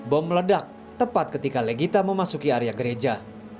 bom meledak tepat ketika legita memasuki area gereja